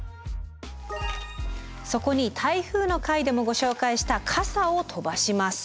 そこに台風の回でもご紹介した傘を飛ばします。